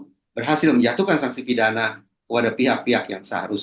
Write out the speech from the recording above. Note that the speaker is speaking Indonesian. tapi justru berhasil menjatuhkan sanksi pidana kepada pihak pihak yang salah